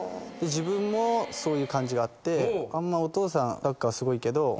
自分もそういう感じがあってお父さんサッカーすごいけど。